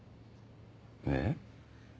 えっ？